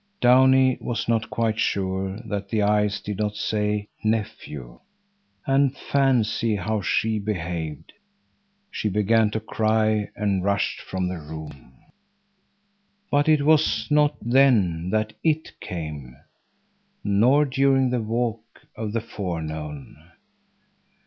Downie was not quite sure that the eyes did not say "nephew." And fancy how she behaved. She began to cry, and rushed from the room. But it was not then that "it" came, nor during the walk of the forenoon.